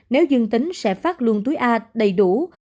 nếu dương tính sẽ phát luôn túi a đầy đủ